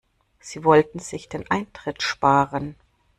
Sie wollten sich den Eintritt sparen.